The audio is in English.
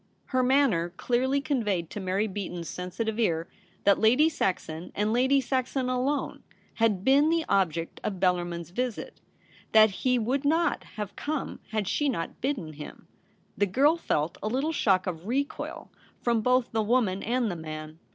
Her manner clearly conveyed to Mary Beaton's sensitive ear that Lady Saxon, and Lady Saxon alone, had been the object of Bellarmin's visit : that he would not have come had she not bidden him. The g^irl felt a little shock of recoil from both the woman and the man.